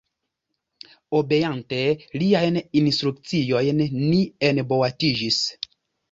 Obeante liajn instrukciojn, ni enboatiĝis.